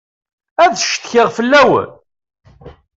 Ad ccetkiɣ fell-awent.